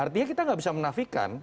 artinya kita nggak bisa menafikan